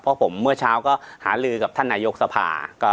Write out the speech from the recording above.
เพราะผมเมื่อเช้าก็หาลือกับท่านนายกสภา